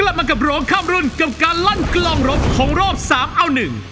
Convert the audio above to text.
กลับมากับร้องข้ามรุ่นกับการลั่นกลองรบของรอบสามเอาหนึ่ง